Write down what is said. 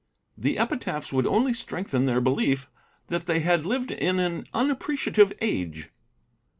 "The epitaphs would only strengthen their belief that they had lived in an unappreciative age."